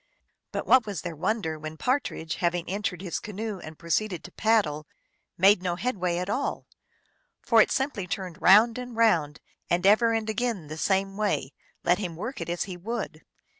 But what was their wonder when Partridge, having entered his canoe and proceeded to paddle, made no headway at all ; for it simply turned round and round, and ever and again the same way, let him work it as he would.